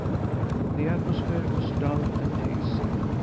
The atmosphere was dull and hazy.